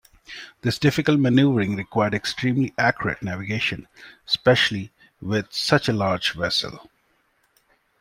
This difficult manoeuvring required extremely accurate navigation, especially with such a large vessel.